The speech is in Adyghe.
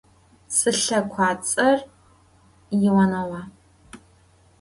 Slhekhuats'er Yivanova.